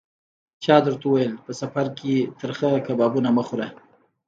چا درته ویل: په سفر کې ترخه کبابونه مه خوره.